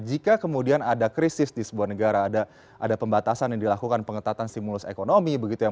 jika kemudian ada krisis di sebuah negara ada pembatasan yang dilakukan pengetatan stimulus ekonomi begitu ya